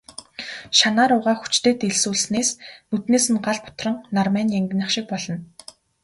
Шанаа руугаа хүчтэй дэлсүүлснээс нүднээс нь гал бутран, нармай нь янгинах шиг болно.